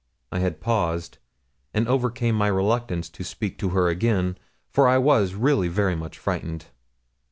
I had paused, and overcame my reluctance to speak to her again, for I was really very much frightened.